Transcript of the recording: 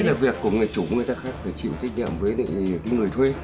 đấy là việc của người chủ người khác phải chịu thích nhầm với người thuê